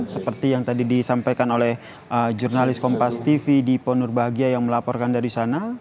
seperti yang tadi disampaikan oleh jurnalis kompas tv dipo nurbagia yang melaporkan dari sana